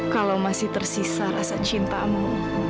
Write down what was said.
kalau masih tersisa rasa cintamu